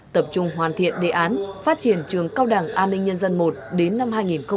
tập trung hoàn thiện đề án phát triển trường cao đảng an ninh nhân dân i đến năm hai nghìn ba mươi